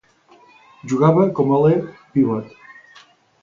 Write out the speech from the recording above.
Jugava com a aler pivot.